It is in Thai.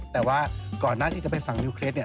แต่ว่าก่อนหน้าที่จะไปฝั่งนิวเครสเนี่ย